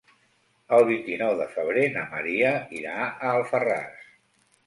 El vint-i-nou de febrer na Maria irà a Alfarràs.